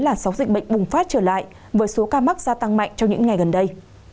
là sáu dịch bệnh bùng phát trở lại với số ca mắc gia tăng mạnh trong những ngày gần đây